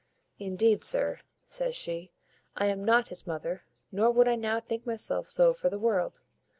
"Indeed, sir," says she, "I am not his mother; nor would I now think myself so for the world."